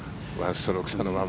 １ストローク差のまま。